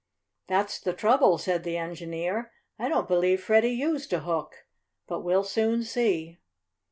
"That's the trouble," said the engineer. "I don't believe Freddie used a hook. But we'll soon see."